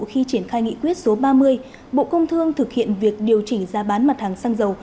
khi triển khai nghị quyết số ba mươi bộ công thương thực hiện việc điều chỉnh giá bán mặt hàng xăng dầu